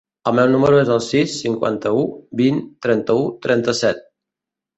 El meu número es el sis, cinquanta-u, vint, trenta-u, trenta-set.